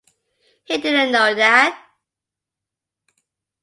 He didn't know that.